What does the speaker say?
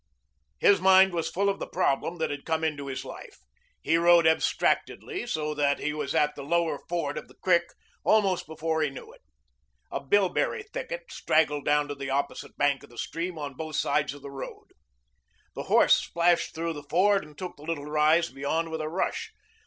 His mind was full of the problem that had come into his life. He rode abstractedly, so that he was at the lower ford of the creek almost before he knew it. A bilberry thicket straggled down to the opposite bank of the stream on both sides of the road. The horse splashed through the ford and took the little rise beyond with a rush.